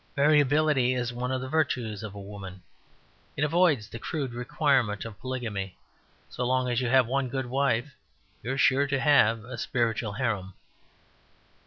Variability is one of the virtues of a woman. It avoids the crude requirement of polygamy. So long as you have one good wife you are sure to have a spiritual harem.